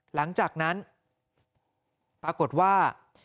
หลังจากนั้นปรากฏว่า